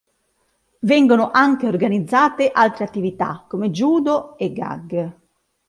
Vengono anche organizzate altre attività come judo e gag.